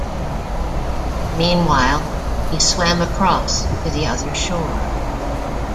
Meanwhile, he swam across to the other shore.